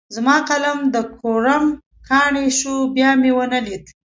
زما قلم د کوړم کاڼی شو؛ بيا مې و نه ليد.